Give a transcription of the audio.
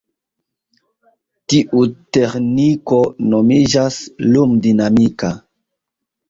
Tiu teĥniko nomiĝas "lum-dinamika".